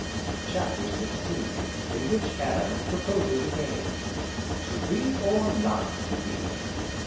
CHAPTER XVI In which Adam proposes a game "To be, or not to be!"